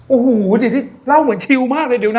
อุหูววววเรื่องเล่าเหมือนชิวมากเลยเดี๋ยวนะ